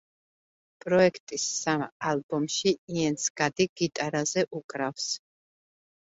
პროექტის სამ ალბომში იენს გადი გიტარაზე უკრავს.